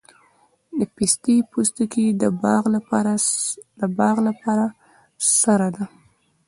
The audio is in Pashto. د پستې پوستکي د باغ لپاره سره ده؟